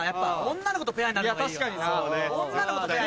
女の子とペアになりたい。